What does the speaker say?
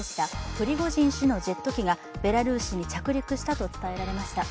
プリゴジン氏のジェット機がベラルーシに着陸したと伝えられました。